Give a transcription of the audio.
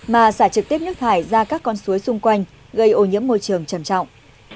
mà xả trực tiếp nước thải ra các con suối xung quanh gây ô nhiễm môi trường trầm trọng